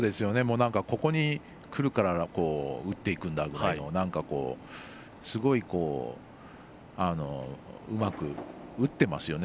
ここにくるから打っていくんだぐらいのすごいうまく打ってますよね